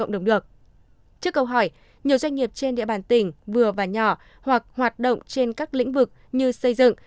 trước câu hỏi nhiều doanh nghiệp trên địa bàn tỉnh vừa và nhỏ hoặc hoạt động trên các lĩnh vực như xây dựng